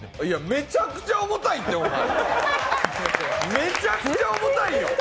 めちゃめちゃ重たいって、お前。